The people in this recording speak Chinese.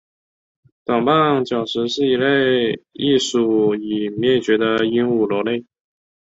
短棒角石是一属已灭绝的鹦鹉螺类。